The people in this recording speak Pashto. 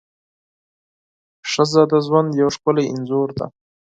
ښځه د ژوند یو ښکلی انځور ده.